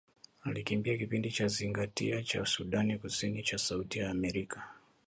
alikiambia kipindi cha Zingatia cha Sudan kusini cha sauti ya Amerika